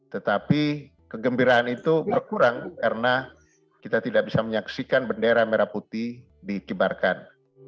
tetapi kegembiraan itu berkurang karena kita tidak bisa menyaksikan bendera merah putih dikibarkan